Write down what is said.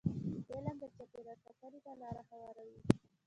علم د چاپېریال ساتنې ته لاره هواروي.